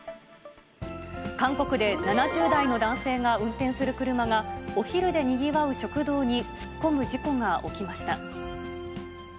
韓国で７０代の男性が運転する車が、お昼でにぎわう食堂に突っ込む事故が起きました。